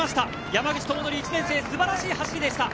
山口智規、１年生素晴らしい走りでした。